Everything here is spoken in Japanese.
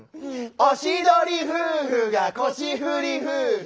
おしどり夫婦が腰振り夫婦。